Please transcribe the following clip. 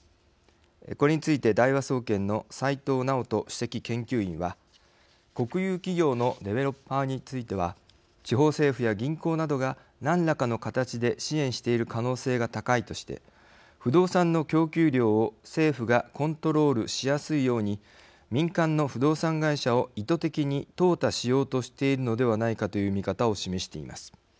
これについて大和総研の齋藤尚登主席研究員は「国有企業のデベロッパーについては地方政府や銀行などが何らかの形で支援している可能性が高い」として、不動産の供給量を政府がコントロールしやすいように民間の不動産会社を意図的にとう汰しようとしているのではないかという見方を示しています。